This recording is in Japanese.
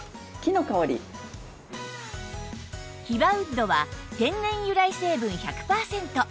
ヒバウッドは天然由来成分１００パーセント